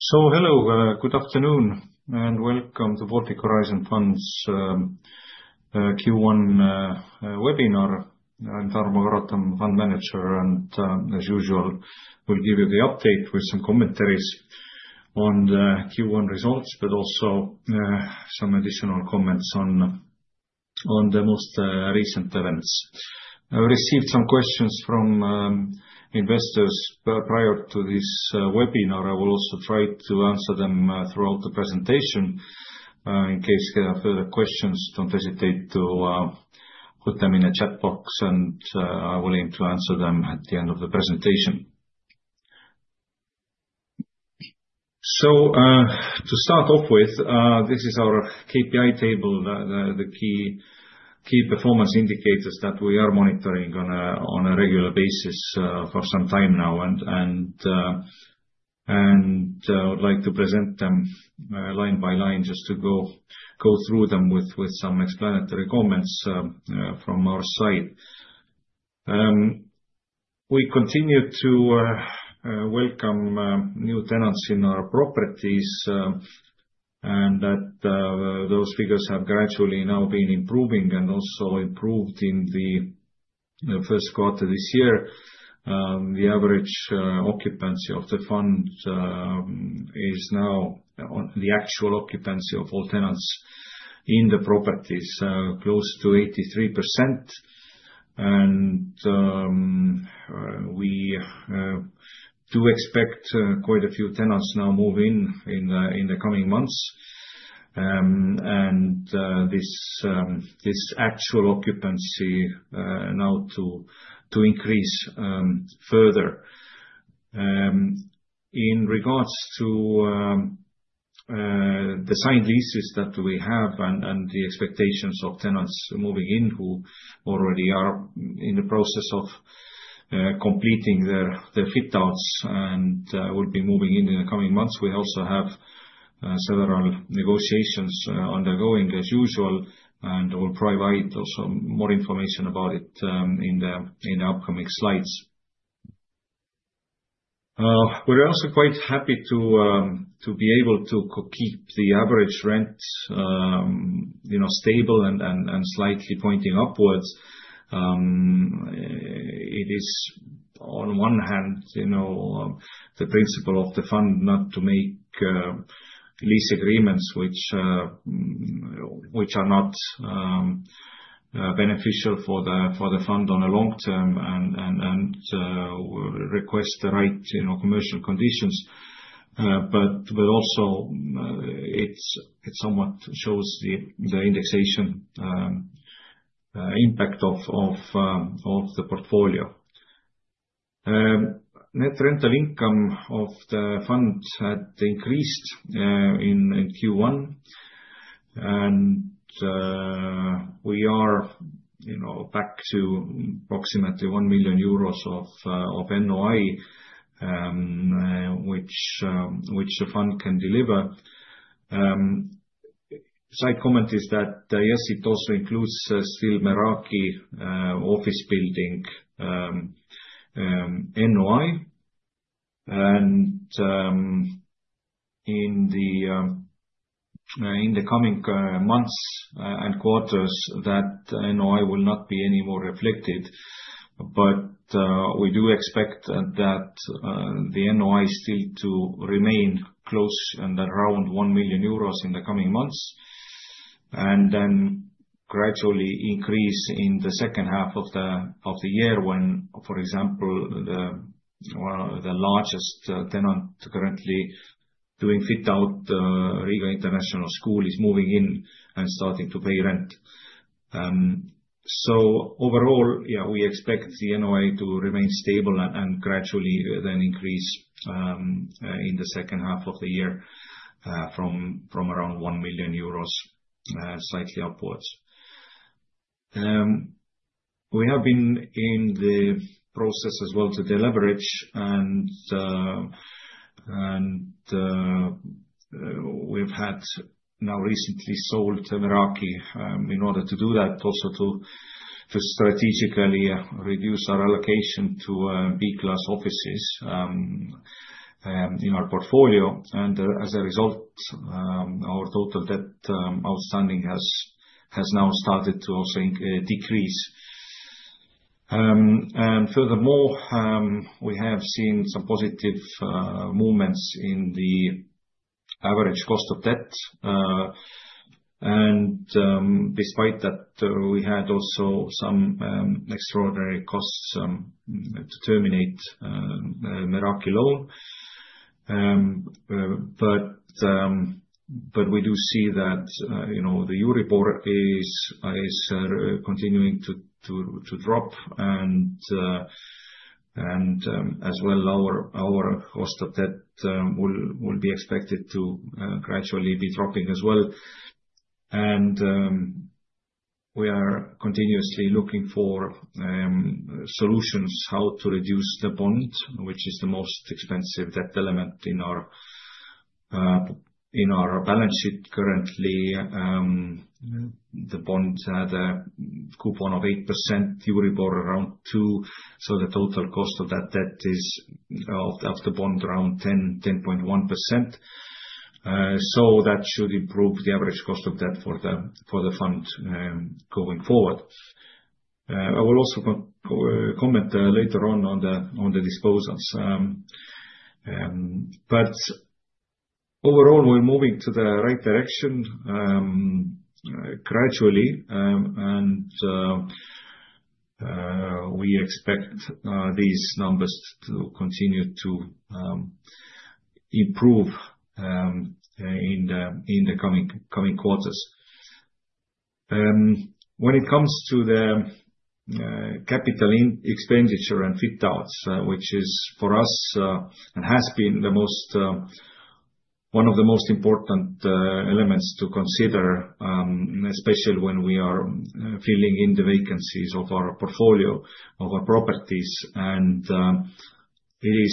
Hello, good afternoon, and welcome to Baltic Horizon Fund Q1 Webinar. I'm Tarmo Karotam, Fund Manager, and as usual, we'll give you the update with some commentaries on the Q1 results, but also some additional comments on the most recent events. I received some questions from investors prior to this webinar. I will also try to answer them throughout the presentation. In case you have questions, don't hesitate to put them in the chat box, and I will aim to answer them at the end of the presentation. To start off with, this is our KPI table, the key performance indicators that we are monitoring on a regular basis for some time now, and I would like to present them line by line just to go through them with some explanatory comments from our side. We continue to welcome new tenants in our properties, and those figures have gradually now been improving and also improved in the first quarter this year. The average occupancy of the fund is now the actual occupancy of all tenants in the properties, close to 83%, and we do expect quite a few tenants now move in in the coming months, and this actual occupancy now to increase further. In regards to the signed leases that we have and the expectations of tenants moving in who already are in the process of completing their fit-outs and will be moving in in the coming months, we also have several negotiations undergoing as usual, and we'll provide also more information about it in the upcoming slides. We're also quite happy to be able to keep the average rent stable and slightly pointing upwards. It is, on one hand, the principle of the fund not to make lease agreements which are not beneficial for the fund on a long term and request the right commercial conditions, but also it somewhat shows the indexation impact of the portfolio. Net rental income of the fund had increased in Q1, and we are back to approximately 1 million euros of NOI which the fund can deliver. Side comment is that, yes, it also includes still Meraki office building NOI, and in the coming months and quarters, that NOI will not be any more reflected, but we do expect that the NOI still to remain close and around 1 million euros in the coming months, and then gradually increase in the second half of the year when, for example, the largest tenant currently doing fit-out, International School of Riga, is moving in and starting to pay rent. Overall, yeah, we expect the NOI to remain stable and gradually then increase in the second half of the year from around 1 million euros slightly upwards. We have been in the process as well to deleverage, and we've had now recently sold Meraki in order to do that, also to strategically reduce our allocation to B-class offices in our portfolio, and as a result, our total debt outstanding has now started to also decrease. Furthermore, we have seen some positive movements in the average cost of debt, and despite that, we had also some extraordinary costs to terminate Meraki loan, but we do see that the Euribor is continuing to drop, and as well, our cost of debt will be expected to gradually be dropping as well. We are continuously looking for solutions how to reduce the bond, which is the most expensive debt element in our balance sheet currently. The bond had a coupon of 8%, Euribor around 2%, so the total cost of that debt is of the bond around 10.1%. That should improve the average cost of debt for the fund going forward. I will also comment later on the disposals. Overall, we're moving to the right direction gradually, and we expect these numbers to continue to improve in the coming quarters. When it comes to the capital expenditure and fit-outs, which is for us and has been one of the most important elements to consider, especially when we are filling in the vacancies of our portfolio of our properties, and it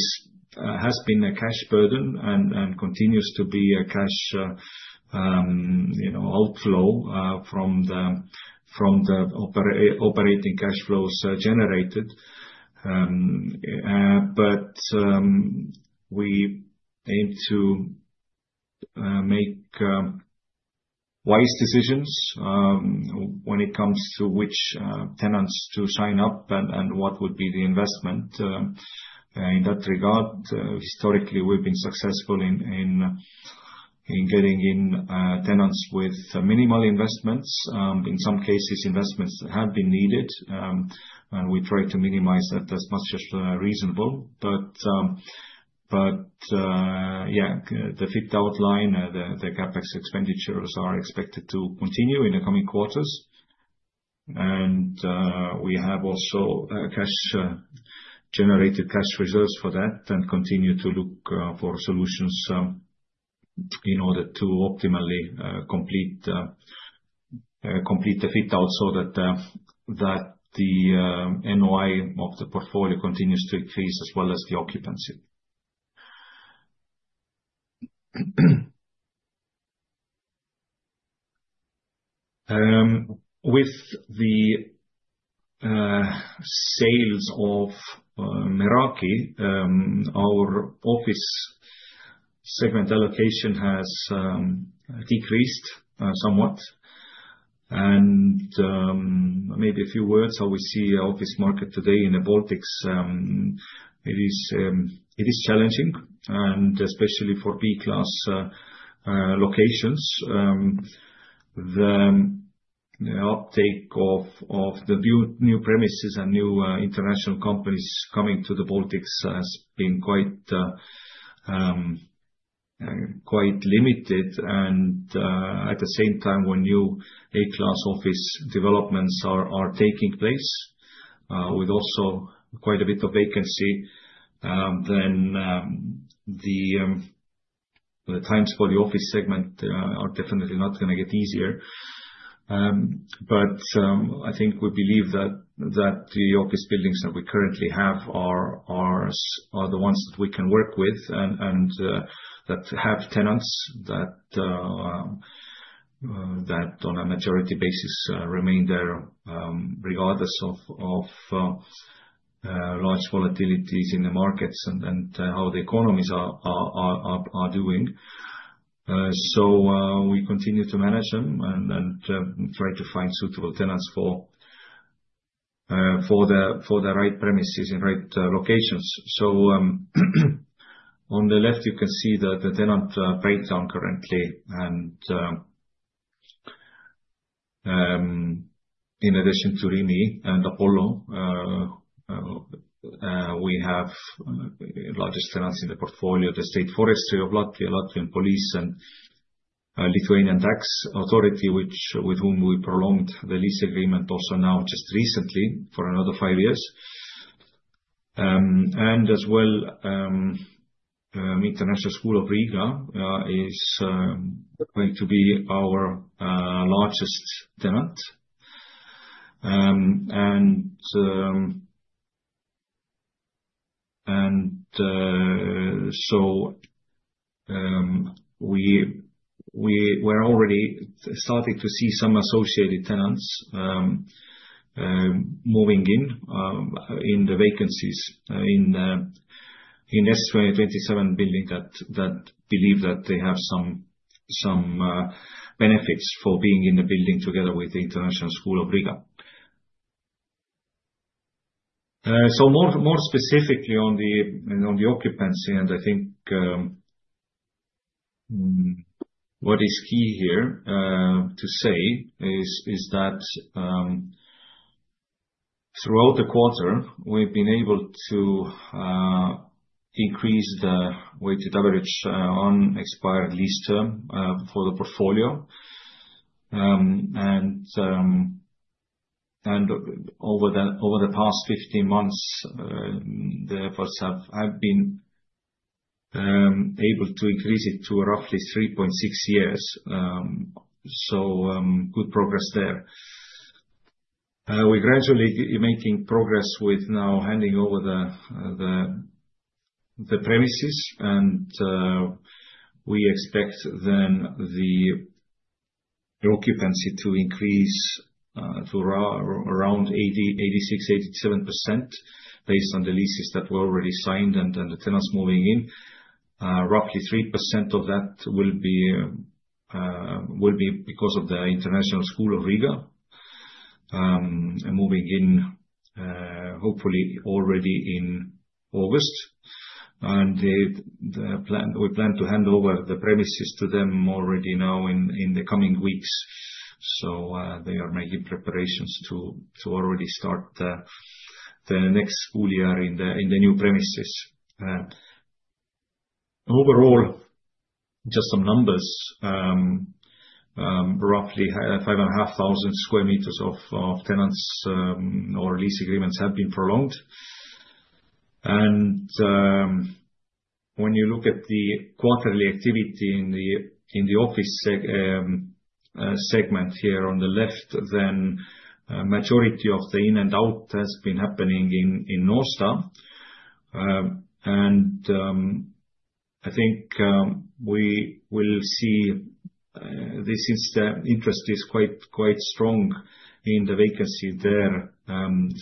has been a cash burden and continues to be a cash outflow from the operating cash flows generated. But we aim to make wise decisions when it comes to which tenants to sign up and what would be the investment in that regard. Historically, we've been successful in getting in tenants with minimal investments. In some cases, investments have been needed, and we try to minimize that as much as reasonable. But yeah, the fit-out line, the CapEx expenditures are expected to continue in the coming quarters, and we have also generated cash reserves for that and continue to look for solutions in order to optimally complete the fit-out so that the NOI of the portfolio continues to increase as well as the occupancy. With the sales of Meraki, our office segment allocation has decreased somewhat. And maybe a few words how we see the office market today in the Baltics. It is challenging, and especially for B-class locations. The uptake of the new premises and new international companies coming to the Baltics has been quite limited, and at the same time, when new A-class office developments are taking place with also quite a bit of vacancy, then the times for the office segment are definitely not going to get easier. But I think we believe that the office buildings that we currently have are the ones that we can work with and that have tenants that on a majority basis remain there regardless of large volatilities in the markets and how the economies are doing. So we continue to manage them and try to find suitable tenants for the right premises in right locations. On the left, you can see the tenant breakdown currently, and in addition to Rimi and Apollo, we have the largest tenants in the portfolio, the State Forestry of Latvia, State Police of Latvia, and Lithuanian State Tax Inspectorate, with whom we prolonged the lease agreement also now just recently for another five years. And as well, International School of Riga is going to be our largest tenant. And so we were already starting to see some associated tenants moving in in the vacancies in the Vainodes building that believe that they have some benefits for being in the building together with the International School of Riga. So more specifically on the occupancy, and I think what is key here to say is that throughout the quarter, we've been able to increase the weighted average on expiry lease term for the portfolio. Over the past 15 months, the efforts have been able to increase it to roughly 3.6 years, so good progress there. We're gradually making progress with now handing over the premises, and we expect then the occupancy to increase to around 86%-87% based on the leases that were already signed and the tenants moving in. Roughly 3% of that will be because of the International School of Riga moving in hopefully already in August. We plan to hand over the premises to them already now in the coming weeks. They are making preparations to already start the next school year in the new premises. Overall, just some numbers, roughly 5,500 square meters of tenants or lease agreements have been prolonged. And when you look at the quarterly activity in the office segment here on the left, then majority of the in and out has been happening in North Star. And I think we will see this interest is quite strong in the vacancy there.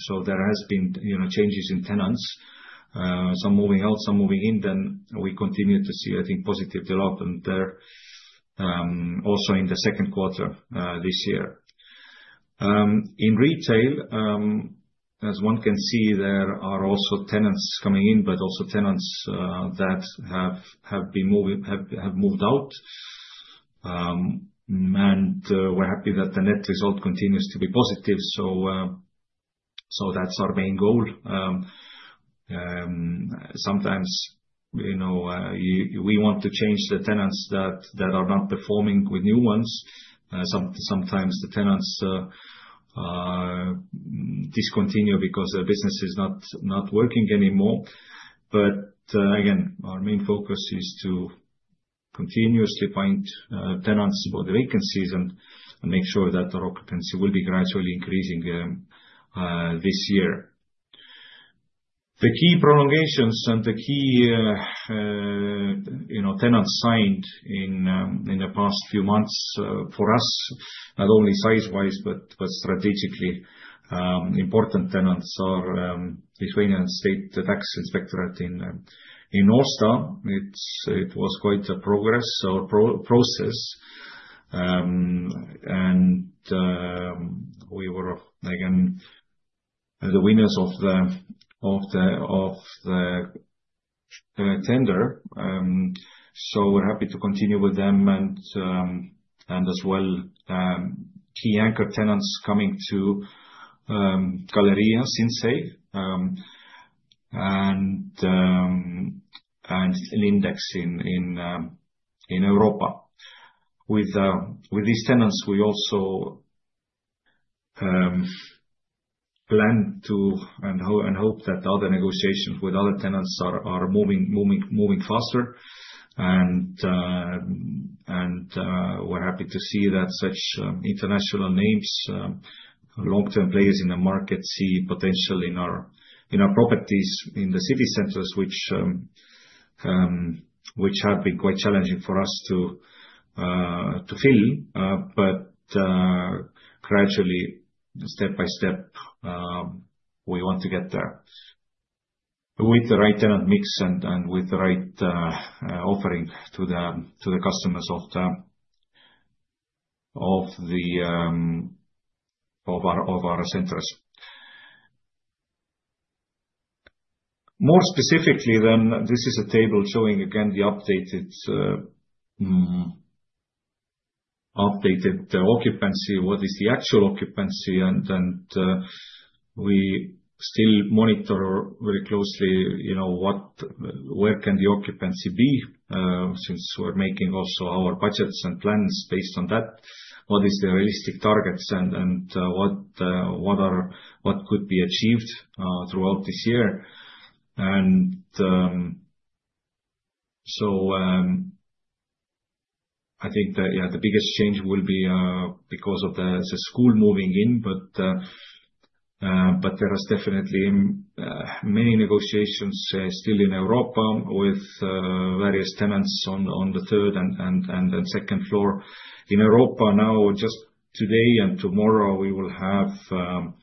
So there have been changes in tenants, some moving out, some moving in. Then we continue to see, I think, positive development there also in the second quarter this year. In retail, as one can see, there are also tenants coming in, but also tenants that have moved out. And we're happy that the net result continues to be positive. So that's our main goal. Sometimes we want to change the tenants that are not performing with new ones. Sometimes the tenants discontinue because their business is not working anymore. But again, our main focus is to continuously find tenants for the vacancies and make sure that our occupancy will be gradually increasing this year. The key prolongations and the key tenants signed in the past few months for us, not only size-wise, but strategically important tenants are Lithuanian State Tax Inspectorate in North Star. It was quite a progress or process. And we were, again, the winners of the tender. So we're happy to continue with them and as well key anchor tenants coming to Galerija, Sinsay and Lindex in Europa. With these tenants, we also plan to and hope that other negotiations with other tenants are moving faster. And we're happy to see that such international names, long-term players in the market, see potential in our properties in the city centers, which have been quite challenging for us to fill. But gradually, step by step, we want to get there with the right tenant mix and with the right offering to the customers of our centers. More specifically, then this is a table showing again the updated occupancy, what is the actual occupancy, and we still monitor very closely where can the occupancy be since we're making also our budgets and plans based on that. What is the realistic targets and what could be achieved throughout this year? And so I think that, yeah, the biggest change will be because of the school moving in, but there are definitely many negotiations still in Europa with various tenants on the third and second floor in Europa. Now, just today and tomorrow, we will have,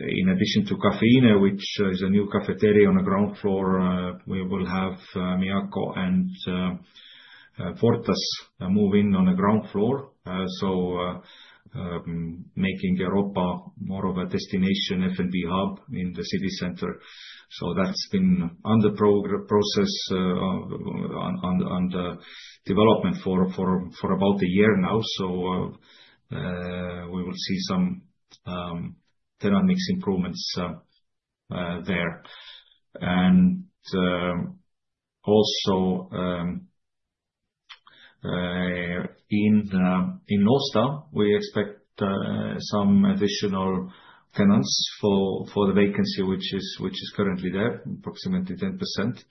in addition to Caffeine, which is a new cafeteria on the ground floor, we will have Miyako and Fortas move in on the ground floor. Making Europa more of a destination F&B hub in the city center. That's been under process and development for about a year now. We will see some tenant mix improvements there. Also in North Star, we expect some additional tenants for the vacancy, which is currently there, approximately 10%.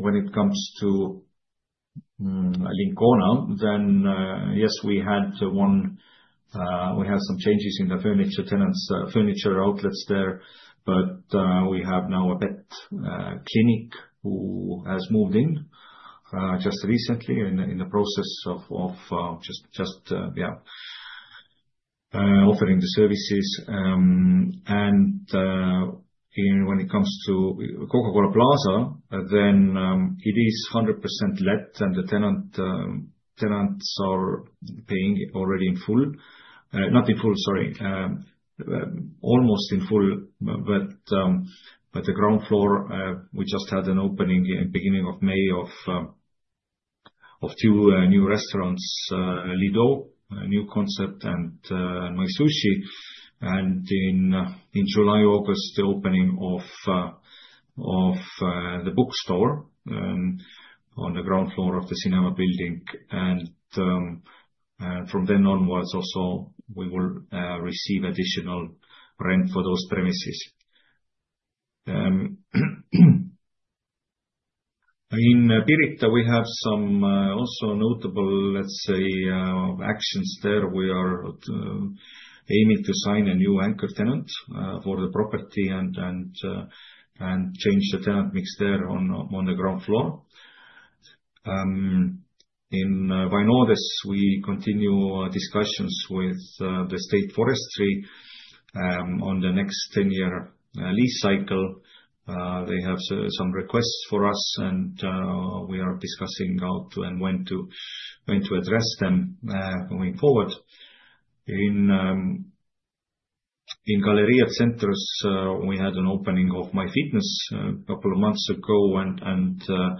When it comes to Lincona, then yes, we had some changes in the furniture outlets there, but we have now a pet clinic who has moved in just recently in the process of offering the services. When it comes to Coca-Cola Plaza, then it is 100% let, and the tenants are paying already in full. Not in full, sorry, almost in full, but the ground floor, we just had an opening in the beginning of May of two new restaurants, Lido new concept, and MySushi. In July, August, the opening of the bookstore on the ground floor of the cinema building. From then onwards, also we will receive additional rent for those premises. In Pirita, we have some also notable, let's say, actions there. We are aiming to sign a new anchor tenant for the property and change the tenant mix there on the ground floor. In Vainodes, we continue discussions with the State Forestry on the next 10-year lease cycle. They have some requests for us, and we are discussing how to and when to address them going forward. In Galerija Centrs, we had an opening of MyFitness a couple of months ago,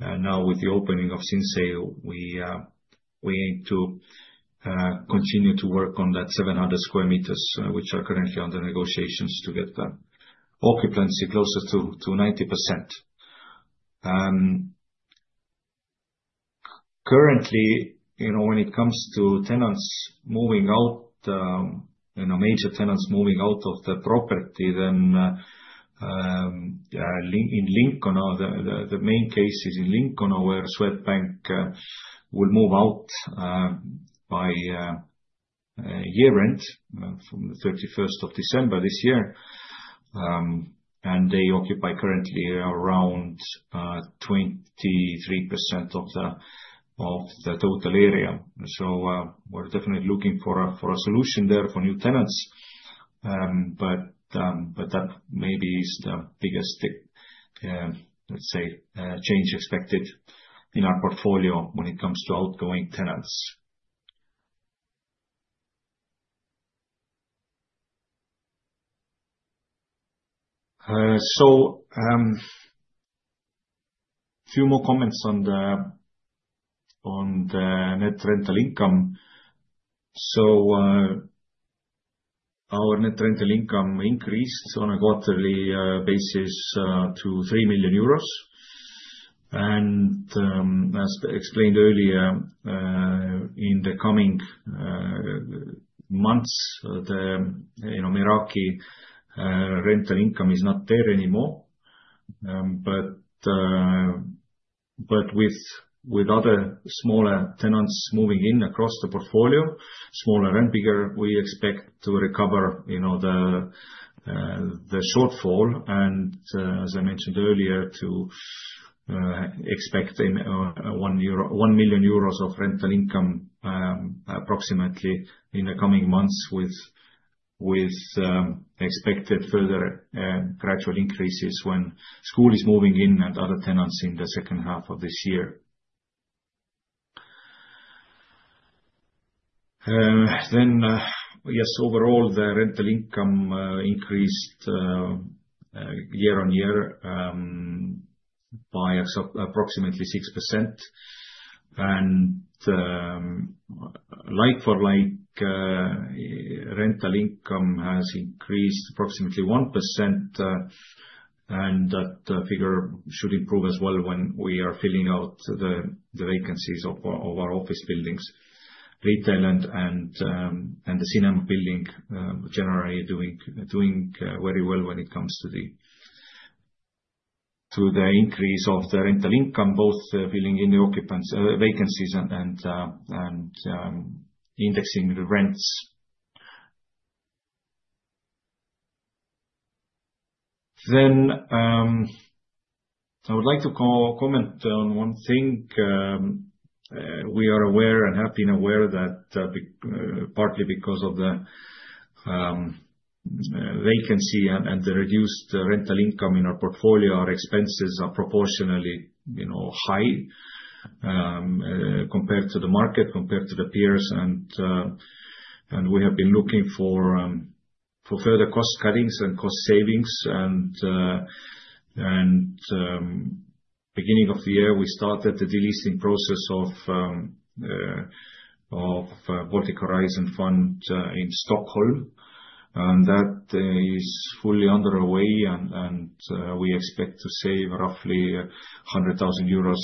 and now with the opening of Sinsay, we aim to continue to work on that 700 square meters, which are currently under negotiations to get the occupancy closer to 90%. Currently, when it comes to tenants moving out, major tenants moving out of the property, then in Lincona, the main cases in Lincona where Swedbank will move out by year-end from the 31st of December this year, and they occupy currently around 23% of the total area, so we're definitely looking for a solution there for new tenants, but that maybe is the biggest, let's say, change expected in our portfolio when it comes to outgoing tenants, so a few more comments on the net rental income, so our net rental income increased on a quarterly basis to 3 million euros, and as explained earlier, in the coming months, the Meraki rental income is not there anymore, but with other smaller tenants moving in across the portfolio, smaller and bigger, we expect to recover the shortfall. As I mentioned earlier, to expect one million euro of rental income approximately in the coming months with expected further gradual increases when school is moving in and other tenants in the second half of this year. Then, yes, overall, the rental income increased year-on-year by approximately 6%. And like-for-like, rental income has increased approximately 1%. And that figure should improve as well when we are filling out the vacancies of our office buildings, retail, and the cinema building generally doing very well when it comes to the increase of the rental income, both filling in the occupants' vacancies and indexing the rents. Then I would like to comment on one thing. We are aware and have been aware that partly because of the vacancy and the reduced rental income in our portfolio, our expenses are proportionally high compared to the market, compared to the peers. We have been looking for further cost cutting and cost savings. Beginning of the year, we started the delisting process of Baltic Horizon Fund in Stockholm. That is fully underway, and we expect to save roughly 100,000 euros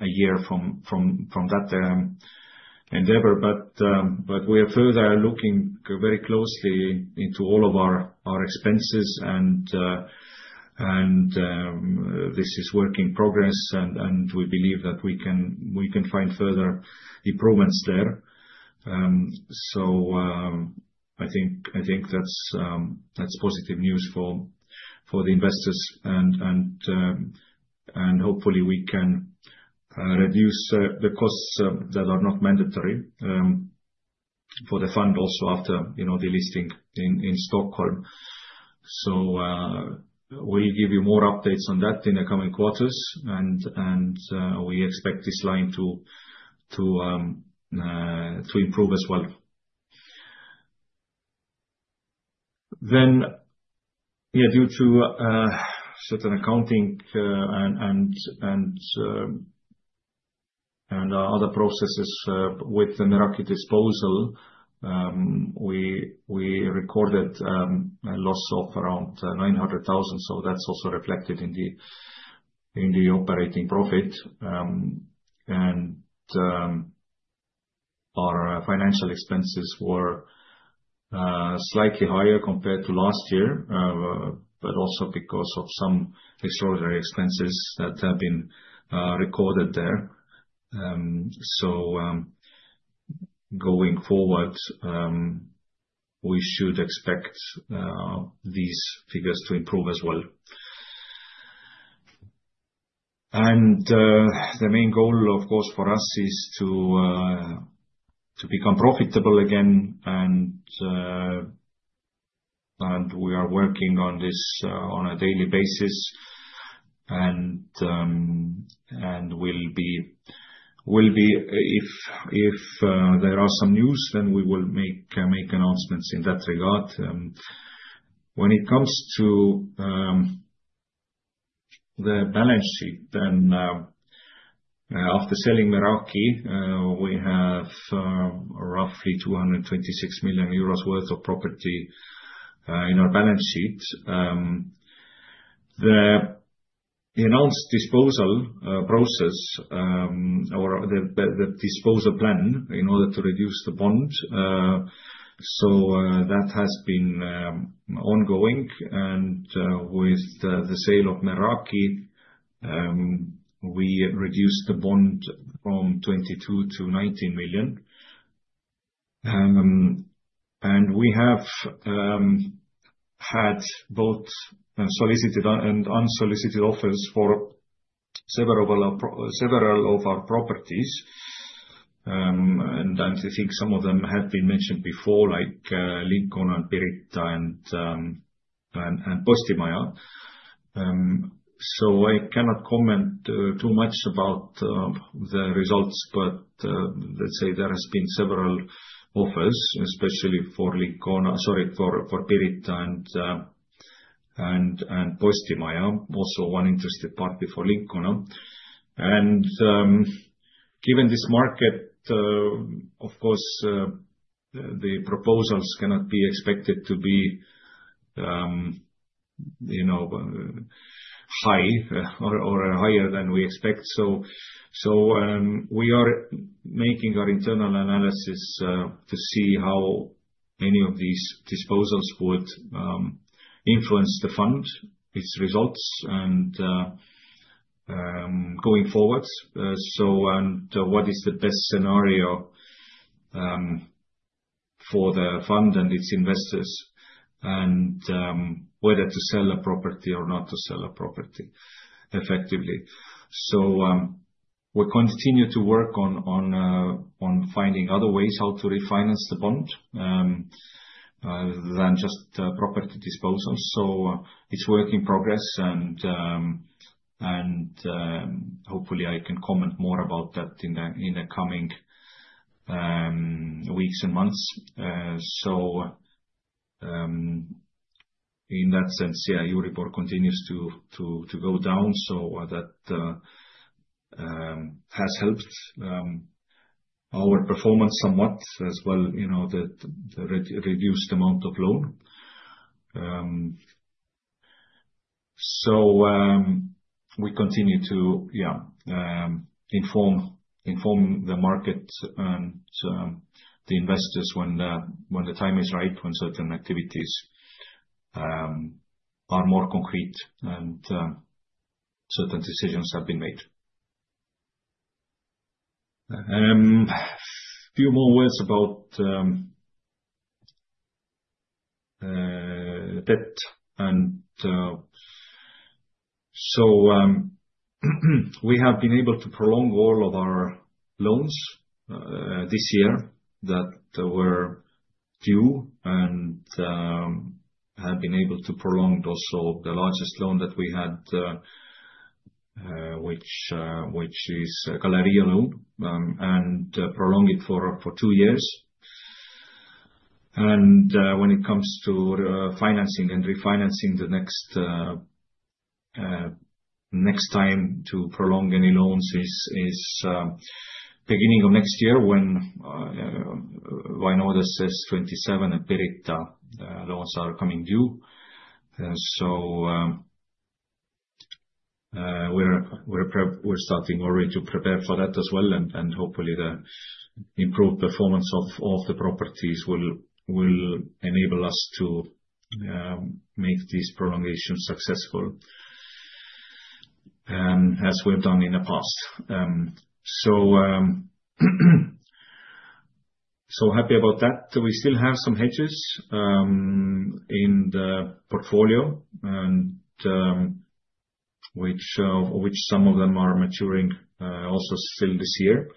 a year from that endeavor. We are further looking very closely into all of our expenses, and this is work in progress. We believe that we can find further improvements there. I think that's positive news for the investors. Hopefully, we can reduce the costs that are not mandatory for the fund also after delisting in Stockholm. We'll give you more updates on that in the coming quarters. We expect this line to improve as well. Yeah, due to certain accounting and other processes with the Meraki disposal, we recorded a loss of around 900,000. So that's also reflected in the operating profit. And our financial expenses were slightly higher compared to last year, but also because of some extraordinary expenses that have been recorded there. So going forward, we should expect these figures to improve as well. And the main goal, of course, for us is to become profitable again. And we are working on this on a daily basis. And we'll be if there are some news, then we will make announcements in that regard. When it comes to the balance sheet, then after selling Meraki, we have roughly 226 million euros worth of property in our balance sheet. The announced disposal process or the disposal plan in order to reduce the bond. So that has been ongoing. And with the sale of Meraki, we reduced the bond from 22 million-19 million. And we have had both solicited and unsolicited offers for several of our properties. And I think some of them had been mentioned before, like Lincona, and Pirita, and Postimaja. So I cannot comment too much about the results, but let's say there have been several offers, especially for Lincona, sorry, for Pirita and Postimaja, also one interested party for Lincona. And given this market, of course, the proposals cannot be expected to be high or higher than we expect. So we are making our internal analysis to see how any of these disposals would influence the fund, its results, and going forward. And what is the best scenario for the fund and its investors and whether to sell a property or not to sell a property effectively? So we continue to work on finding other ways how to refinance the bond than just property disposals. So it's work in progress. And hopefully, I can comment more about that in the coming weeks and months. So in that sense, yeah, Euribor continues to go down. So that has helped our performance somewhat as well, the reduced amount of loan. So we continue to, yeah, inform the market and the investors when the time is right, when certain activities are more concrete and certain decisions have been made. A few more words about debt. And so we have been able to prolong all of our loans this year that were due and have been able to prolong also the largest loan that we had, which is a Galerija loan, and prolong it for two years. And when it comes to financing and refinancing, the next time to prolong any loans is beginning of next year when Vainodes, S27, and Pirita loans are coming due. So we're starting already to prepare for that as well. And hopefully, the improved performance of the properties will enable us to make these prolongations successful, as we've done in the past. So happy about that. We still have some hedges in the portfolio, which some of them are maturing also still this year.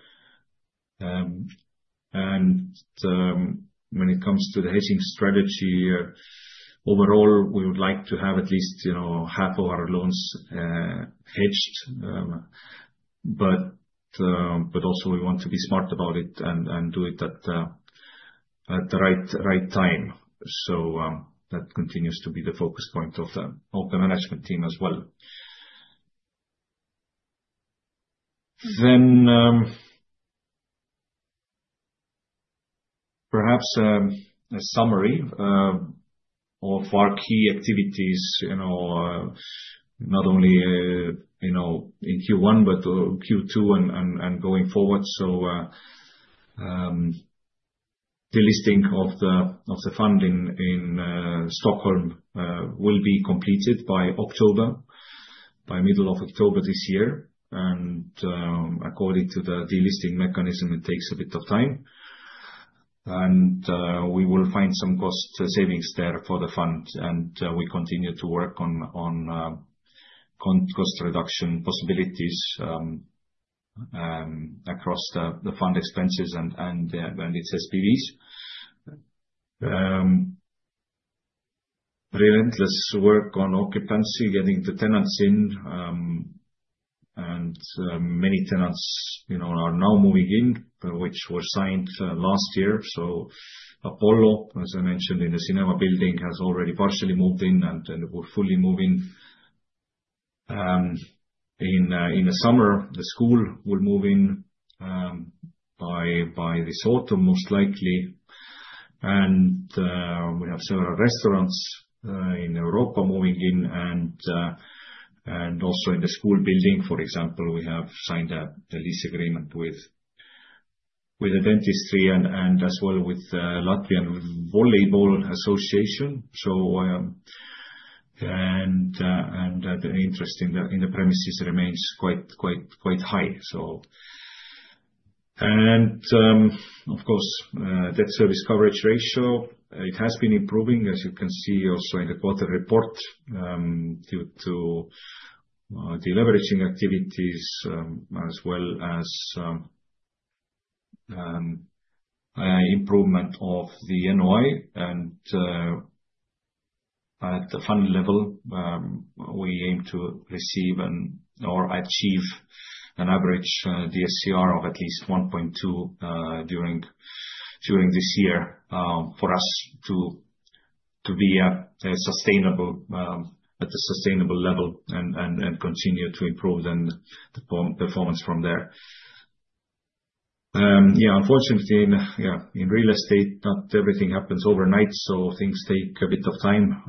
And when it comes to the hedging strategy here, overall, we would like to have at least half of our loans hedged. But also, we want to be smart about it and do it at the right time. So that continues to be the focus point of the management team as well. Then perhaps a summary of our key activities, not only in Q1, but Q2 and going forward. So the delisting of the fund in Stockholm will be completed by October, by middle of October this year. And according to the delisting mechanism, it takes a bit of time. And we will find some cost savings there for the fund. And we continue to work on cost reduction possibilities across the fund expenses and its SPVs. Relentless work on occupancy, getting the tenants in. And many tenants are now moving in, which were signed last year. So Apollo, as I mentioned in the cinema building, has already partially moved in and will fully move in in the summer. The school will move in by this autumn, most likely. And we have several restaurants in Europa moving in. And also in the school building, for example, we have signed a lease agreement with the dentistry and as well with the Latvian Volleyball Association. And the interest in the premises remains quite high, so. Of course, debt service coverage ratio, it has been improving, as you can see also in the quarterly report due to the leveraging activities as well as improvement of the NOI. At the fund level, we aim to receive or achieve an average DSCR of at least 1.2 during this year for us to be at a sustainable level and continue to improve the performance from there. Yeah, unfortunately, yeah, in real estate, not everything happens overnight. Things take a bit of time.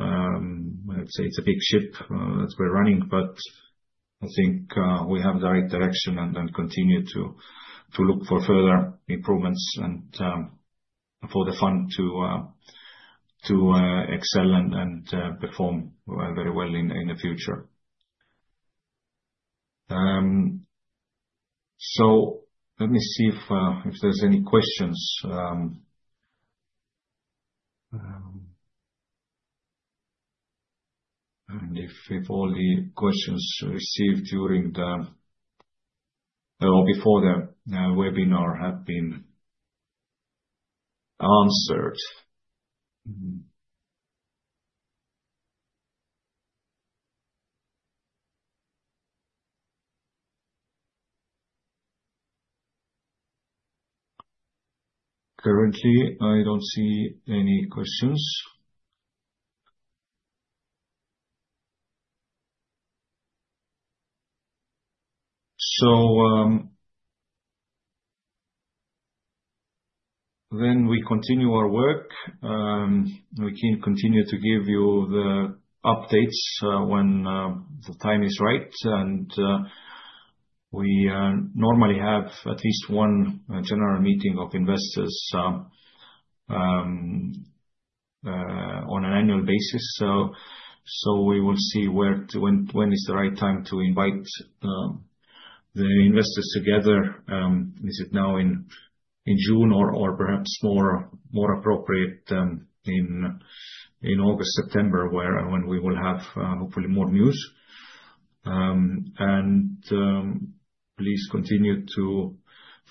I'd say it's a big ship that we're running. I think we have the right direction and continue to look for further improvements and for the fund to excel and perform very well in the future. Let me see if there's any questions. If all the questions received during or before the webinar have been answered. Currently, I don't see any questions, so then we continue our work. We can continue to give you the updates when the time is right, and we normally have at least one general meeting of investors on an annual basis. So we will see when is the right time to invite the investors together. Is it now in June or perhaps more appropriate in August, September, when we will have hopefully more news? And please continue to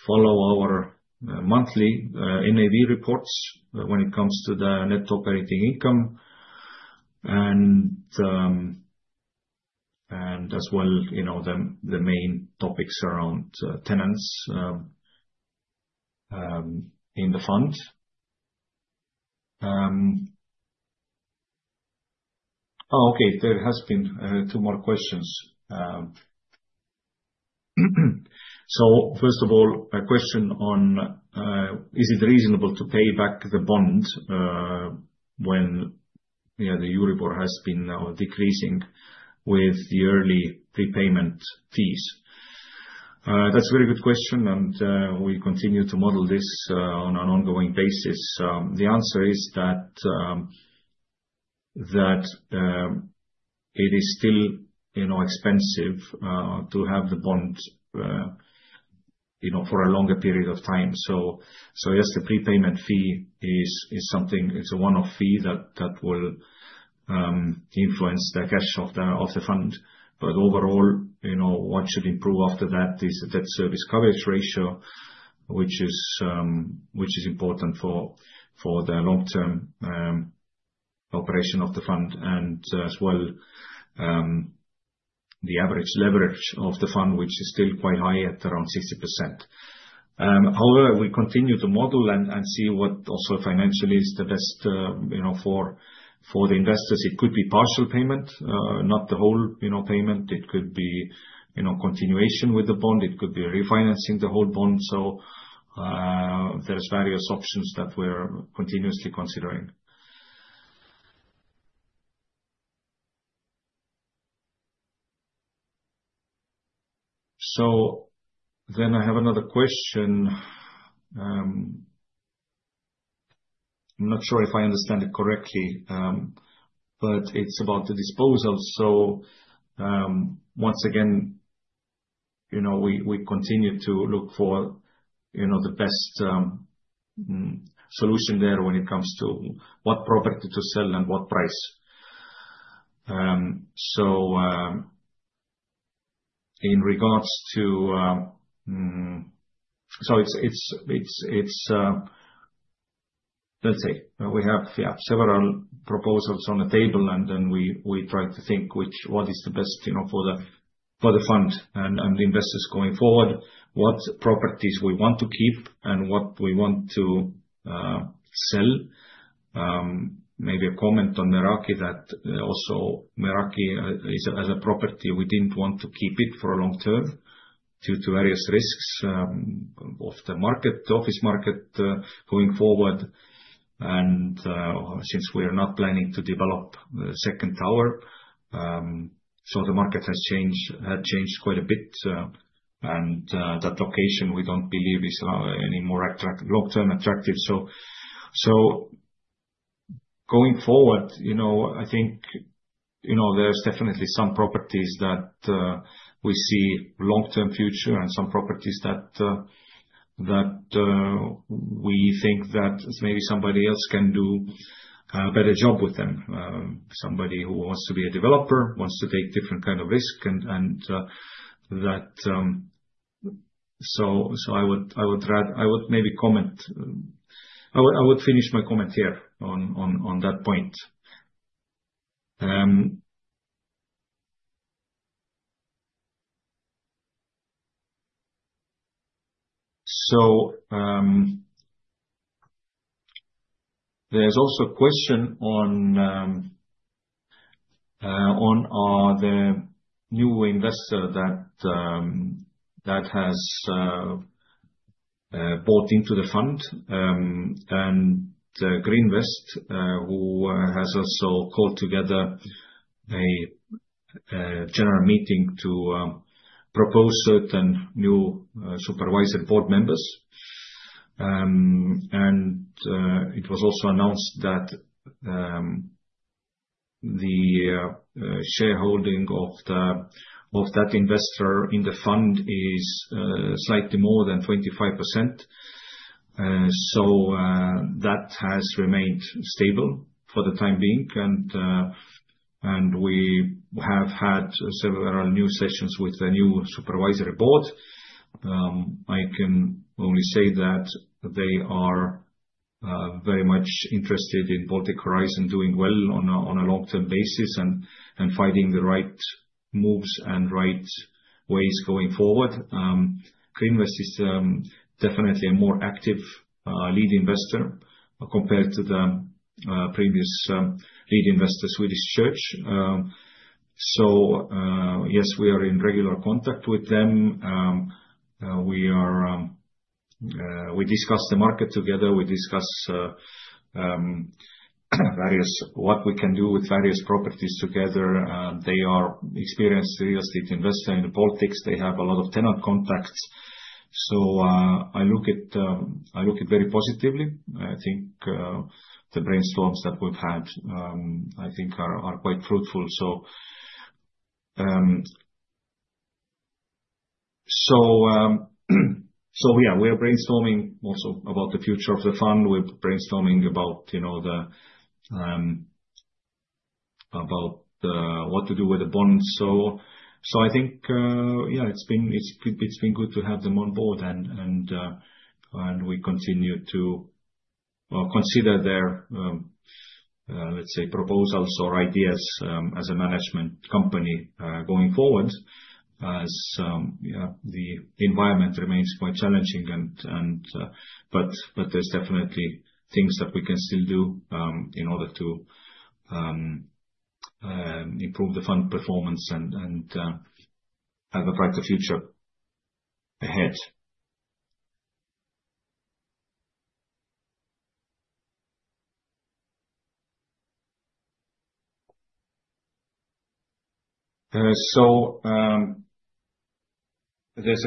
follow our monthly NAV reports when it comes to the net operating income and as well the main topics around tenants in the fund. Oh, okay. There has been two more questions, so first of all, a question on is it reasonable to pay back the bond when the Euribor has been decreasing with the early prepayment fees? That's a very good question, and we continue to model this on an ongoing basis. The answer is that it is still expensive to have the bond for a longer period of time. So yes, the prepayment fee is something, it's a one-off fee that will influence the cash flow of the fund. But overall, what should improve after that is the debt service coverage ratio, which is important for the long-term operation of the fund and as well the average leverage of the fund, which is still quite high at around 60%. However, we continue to model and see what also financially is the best for the investors. It could be partial payment, not the whole payment. It could be continuation with the bond. It could be refinancing the whole bond. So there are various options that we're continuously considering. So then I have another question. I'm not sure if I understand it correctly, but it's about the disposal. So once again, we continue to look for the best solution there when it comes to what property to sell and what price. So in regards to so let's say we have, yeah, several proposals on the table, and then we try to think what is the best for the fund and the investors going forward, what properties we want to keep, and what we want to sell. Maybe a comment on Meraki that also Meraki as a property, we didn't want to keep it for a long term due to various risks of the office market going forward. And since we are not planning to develop the second tower, so the market has changed quite a bit. And that location, we don't believe is any more long-term attractive. So going forward, I think there's definitely some properties that we see long-term future and some properties that we think that maybe somebody else can do a better job with them, somebody who wants to be a developer, wants to take different kind of risk. And so I would maybe comment I would finish my comment here on that point. So there's also a question on the new investor that has bought into the fund and Grinvest, who has also called together a general meeting to propose certain new supervisory board members. And it was also announced that the shareholding of that investor in the fund is slightly more than 25%. So that has remained stable for the time being. And we have had several new sessions with the new supervisory board. I can only say that they are very much interested in Baltic Horizon doing well on a long-term basis and finding the right moves and right ways going forward. Grinvest is definitely a more active lead investor compared to the previous lead investor, Swedish Church. So yes, we are in regular contact with them. We discuss the market together. We discuss what we can do with various properties together. They are experienced real estate investors in the Baltics. They have a lot of tenant contacts. So I look at very positively. I think the brainstorms that we've had, I think, are quite fruitful. So yeah, we are brainstorming also about the future of the fund. We're brainstorming about what to do with the bond. So I think, yeah, it's been good to have them on board. We continue to consider their, let's say, proposals or ideas as a management company going forward as the environment remains quite challenging. There's definitely things that we can still do in order to improve the fund performance and have a brighter future ahead. There's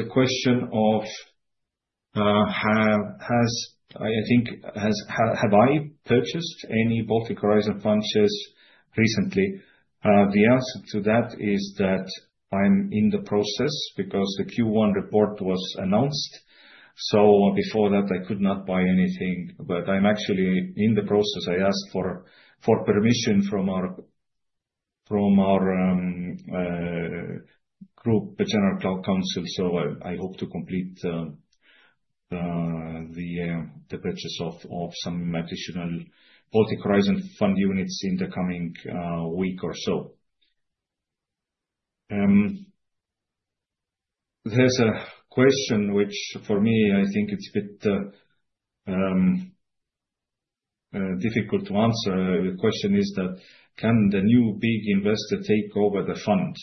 a question of, I think, have I purchased any Baltic Horizon Fund shares recently? The answer to that is that I'm in the process because the Q1 report was announced. Before that, I could not buy anything. I'm actually in the process. I asked for permission from our group, the Northern Horizon Capital. I hope to complete the purchase of some additional Baltic Horizon Fund units in the coming week or so. There's a question which, for me, I think it's a bit difficult to answer. The question is, can the new big investor take over the fund?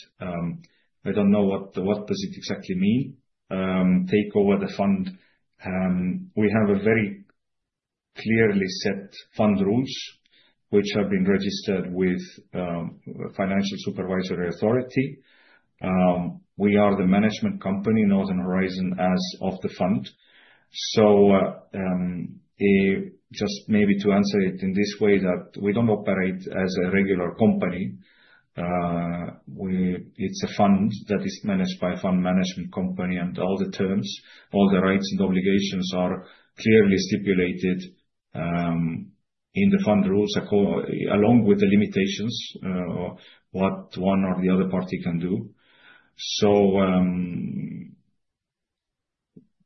I don't know what does it exactly mean, take over the fund. We have very clearly set fund rules which have been registered with Financial Supervisory Authority. We are the management company, Northern Horizon, as of the fund. So just maybe to answer it in this way that we don't operate as a regular company. It's a fund that is managed by a fund management company. And all the terms, all the rights and obligations are clearly stipulated in the fund rules along with the limitations, what one or the other party can do. So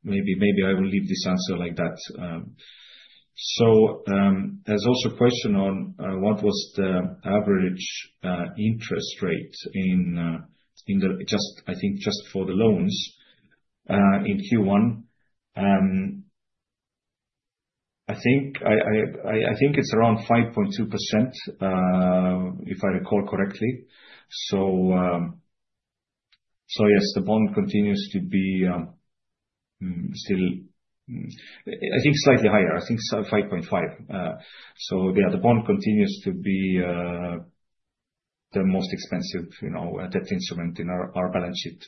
maybe I will leave this answer like that. So there's also a question on what was the average interest rate in the, I think, just for the loans in Q1. I think it's around 5.2%, if I recall correctly. So yes, the bond continues to be still, I think, slightly higher, I think, 5.5%. So yeah, the bond continues to be the most expensive debt instrument in our balance sheet.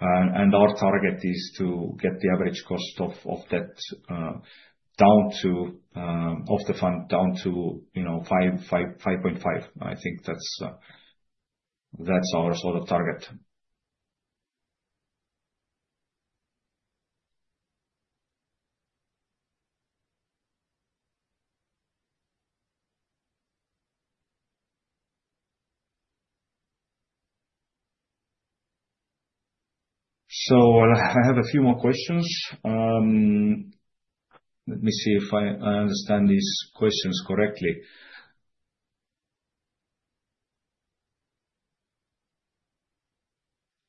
And our target is to get the average cost of debt of the fund down to 5.5%. I think that's our sort of target. So I have a few more questions. Let me see if I understand these questions correctly.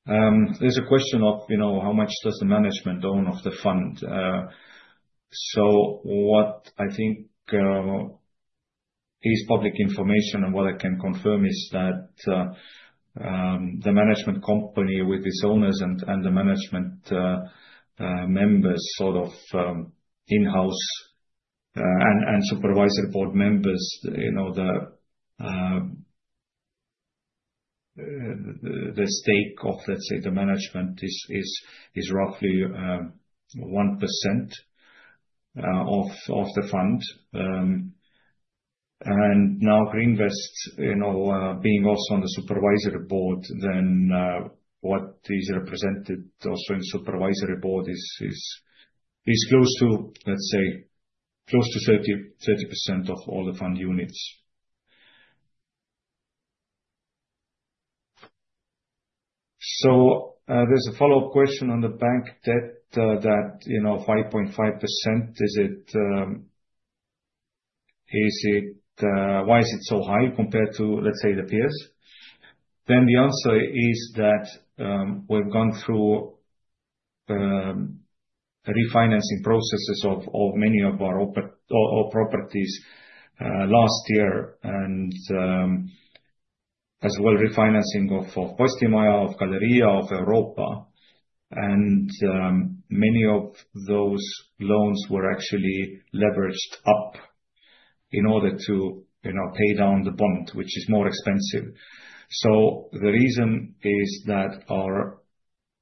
There's a question of how much does the management own of the fund? So what I think is public information and what I can confirm is that the management company with its owners and the management members sort of in-house and supervisory board members, the stake of, let's say, the management is roughly 1% of the fund. And now Grinvest, being also on the supervisory board, then what is represented also in supervisory board is close to, let's say, 30% of all the fund units. So there's a follow-up question on the bank debt, that 5.5%, why is it so high compared to, let's say, the peers? Then the answer is that we've gone through refinancing processes of many of our properties last year and as well refinancing of Meraki, of Galerija, of Europa. And many of those loans were actually leveraged up in order to pay down the bond, which is more expensive. So the reason is that our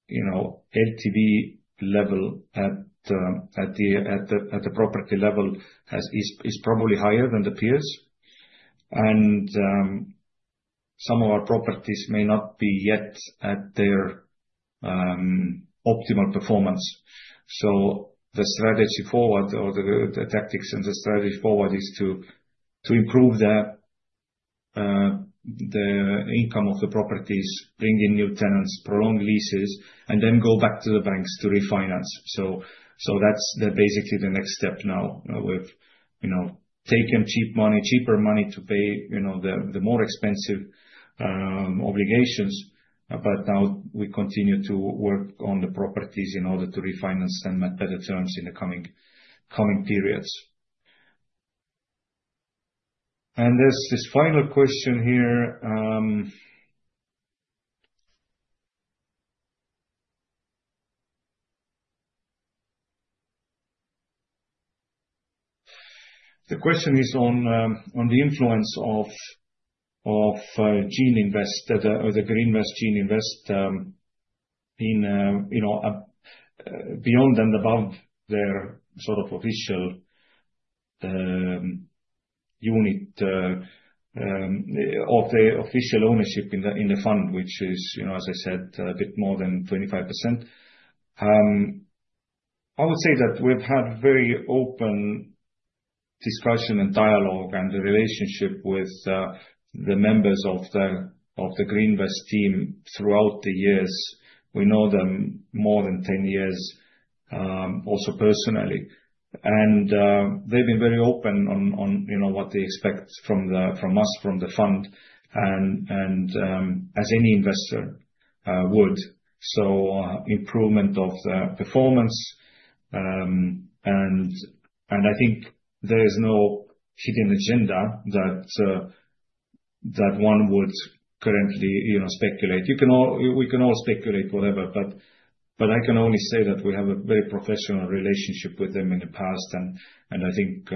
LTV level at the property level is probably higher than the peers. And some of our properties may not be yet at their optimal performance. So the strategy forward or the tactics and the strategy forward is to improve the income of the properties, bring in new tenants, prolong leases, and then go back to the banks to refinance. So that's basically the next step now. We've taken cheaper money to pay the more expensive obligations. But now we continue to work on the properties in order to refinance and make better terms in the coming periods. And there's this final question here. The question is on the influence of Gene Invest or the Grinvest Gene Invest beyond and above their sort of official unit of the official ownership in the fund, which is, as I said, a bit more than 25%. I would say that we've had very open discussion and dialogue and the relationship with the members of the Grinvest team throughout the years. We know them more than 10 years also personally. And they've been very open on what they expect from us, from the fund, and as any investor would. So improvement of the performance. And I think there is no hidden agenda that one would currently speculate. We can all speculate whatever. But I can only say that we have a very professional relationship with them in the past. And I think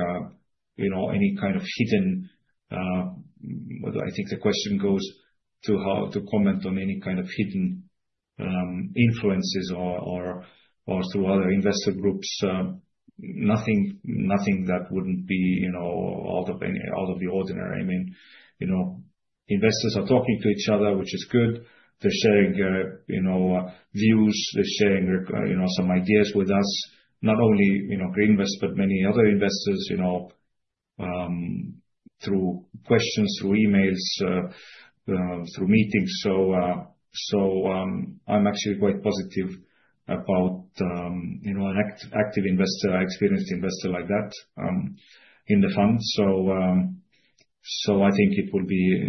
the question goes to comment on any kind of hidden influences or through other investor groups, nothing that wouldn't be out of the ordinary. I mean, investors are talking to each other, which is good. They're sharing views. They're sharing some ideas with us, not only Grinvest, but many other investors through questions, through emails, through meetings. So I'm actually quite positive about an active investor, experienced investor like that in the fund. So I think it will be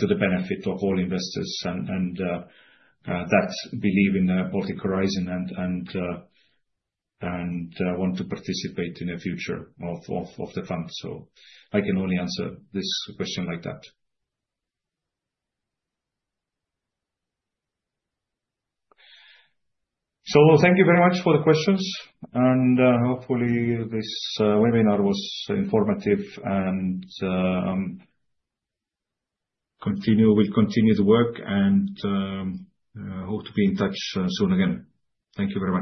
to the benefit of all investors and that belief in the Baltic Horizon and want to participate in the future of the fund. So I can only answer this question like that. So thank you very much for the questions. And hopefully, this webinar was informative and we'll continue to work and hope to be in touch soon again. Thank you very much.